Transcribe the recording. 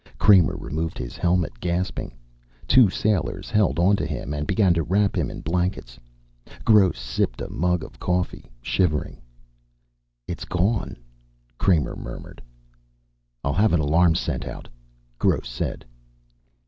Kramer removed his helmet, gasping. Two sailors held onto him and began to wrap him in blankets. Gross sipped a mug of coffee, shivering. "It's gone," Kramer murmured. "I'll have an alarm sent out," Gross said.